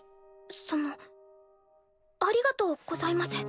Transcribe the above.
そのありがとうございます。